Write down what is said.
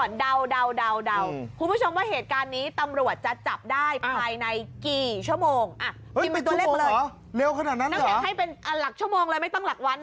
จับเป็นตัวเลขมาเลยนั่งแข่งให้เป็นหลักชั่วโมงเลยไม่ต้องหลักวัน